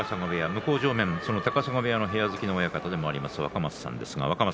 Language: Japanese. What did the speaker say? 向正面は高砂部屋の部屋付きの親方でもあります若松さんです。